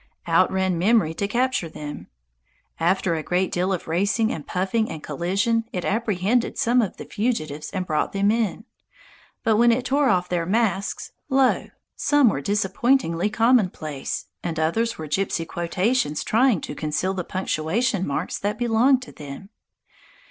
Out ran Memory to capture them. After a great deal of racing and puffing and collision it apprehended some of the fugitives and brought them in. But when it tore off their masks, lo! some were disappointingly commonplace, and others were gipsy quotations trying to conceal the punctuation marks that belonged to them.